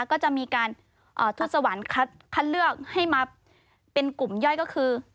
ก็จะมีการทดสวรรค์คัดเลือกให้มาเป็นกลุ่มย่อยก็คือ